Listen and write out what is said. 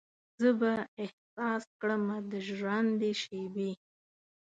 زه به احساس کړمه د ژرندې شیبې